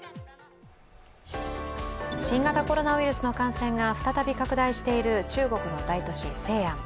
新型コロナウイルスの感染が再び拡大している中国の大都市、西安。